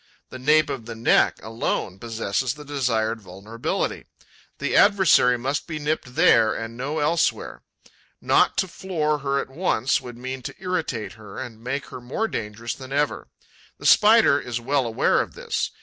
The nape of the neck alone possesses the desired vulnerability. The adversary must be nipped there and no elsewhere. Not to floor her at once would mean to irritate her and make her more dangerous than ever. The Spider is well aware of this.